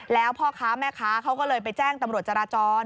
แล้วพ่อค้าแม่ค้าเขาก็เลยไปแจ้งตำรวจจราจร